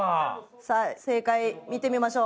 さあ正解見てみましょう。